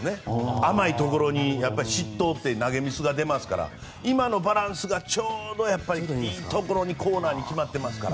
甘いところに失投って投げミスが出ますから今のバランスがちょうどいいところにコーナーに決まっていますから。